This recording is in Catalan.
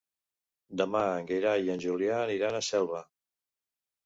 Demà en Gerai i en Julià aniran a Selva.